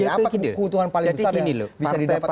apa keuntungan paling besar yang bisa didapatkan